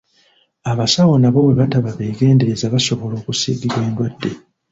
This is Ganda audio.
Abasawo nabo bwe bataba beegenderezza basobola okusiigibwa endwadde.